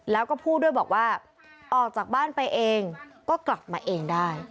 แล้วก็พูดด้วยบอกว่าออกจากบ้านไปเองก็กลับมาเองได้